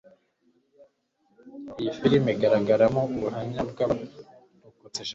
iyi filimi igaragaramo ubuhamya bw abarokotse jenoside